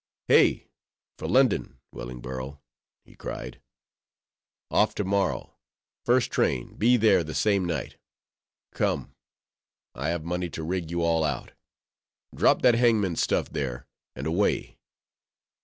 "Hey for London, Wellingborough!" he cried. "Off tomorrow! first train—be there the same night—come! I have money to rig you all out—drop that hangman's stuff there, and away!